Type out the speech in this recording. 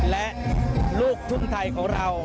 และลูกทุ่งไทยของเรา